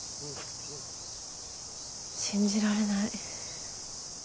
信じられない。